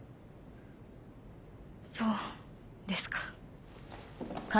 そうですか。